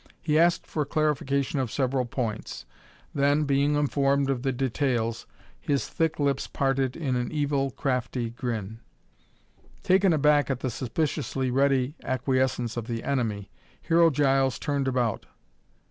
He asked for clarification of several points, then, being informed of the details, his thick lips parted in an evil, crafty grin. Taken aback at the suspiciously ready acquiescence of the enemy, Hero Giles turned about.